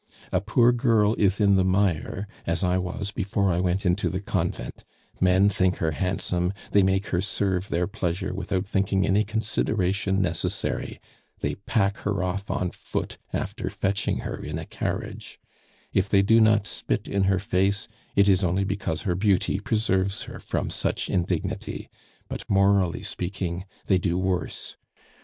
A poor girl is in the mire, as I was before I went into the convent; men think her handsome, they make her serve their pleasure without thinking any consideration necessary; they pack her off on foot after fetching her in a carriage; if they do not spit in her face, it is only because her beauty preserves her from such indignity; but, morally speaking they do worse.